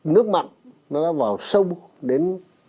nước mặn nó đã vào sâu đến